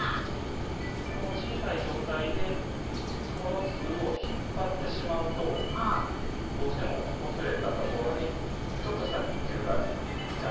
この小さい状態でこのつるを引っ張ってしまうとどうしてもこすれたところにちょっとした傷がいっちゃうと。